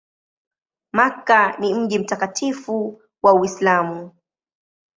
Makka ni mji mtakatifu wa Uislamu.